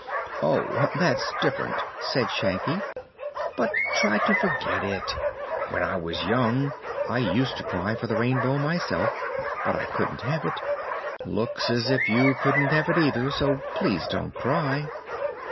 "Oh; that's different," said Shaggy. "But try to forget it. When I was young I used to cry for the Rainbow myself, but I couldn't have it. Looks as if you couldn't have it, either; so please don't cry."